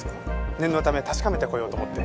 念のため確かめてこようと思って。